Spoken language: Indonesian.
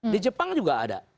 di jepang juga ada